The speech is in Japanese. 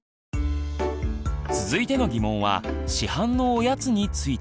続いての疑問は市販のおやつについて。